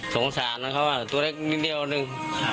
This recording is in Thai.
สงสารเขาตัวเล็กนิดเดียวหนึ่ง